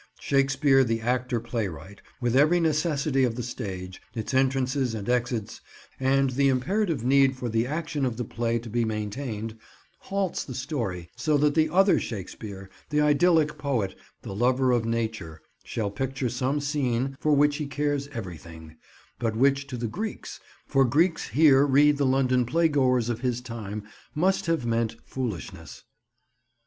Shakespeare the actor playwright, with every necessity of the stage—its entrances and exits, and the imperative need for the action of the play to be maintained—halts the story so that the other Shakespeare, the idyllic poet, the lover of nature, shall picture some scene for which he cares everything, but which to the Greeks—for Greeks here read the London playgoers of his time—must have meant foolishness.